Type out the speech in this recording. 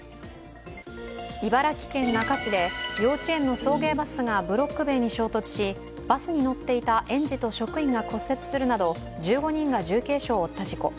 茨城県那珂市で幼稚園の送迎バスがブロック塀に衝突しバスに乗っていた園児と職員が骨折するなど１５人が重軽傷を負った事故。